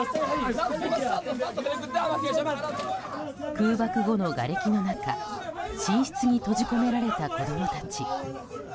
空爆後のがれきの中寝室に閉じ込められた子供たち。